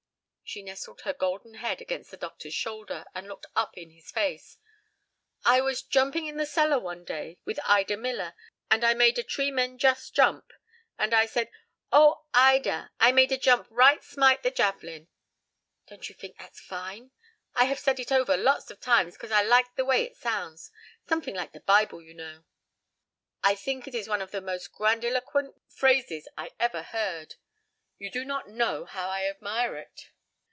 She nestled her golden head against the doctor's shoulder, and looked up in his face. "I was jumping in the cellar one day with Ida Miller, and I made a tree men jus jump, and I said, 'Oh, Ida, I made a jump right smite the javelin.' Don't you fink that's fine? I have said it over lots of times, 'cause I like the way it sounds, somefing like the Bible, you know." "I think it is one of the most grandiloquent phrases I ever heard. You do not know how I admire it."